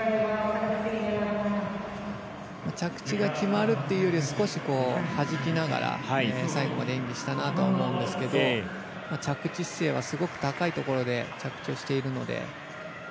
着地が決まるっていうよりは少し、はじきながら最後まで演技したなと思うんですが着地姿勢はすごく高いところで着地しているので。